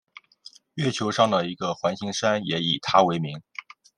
月球上的一个环形山也以他为名。